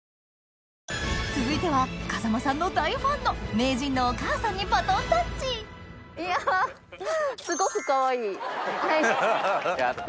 続いては風間さんの大ファンのにバトンタッチやった！